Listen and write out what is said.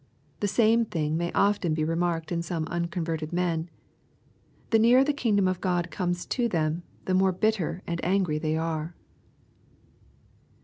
The same thing may often be remarked in some unconverted men. The nearer the kingdom of Gk)d comes to them, the more bitter and angry they are.